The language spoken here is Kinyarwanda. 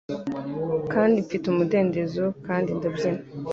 Kandi mfite umudendezo kandi ndabyina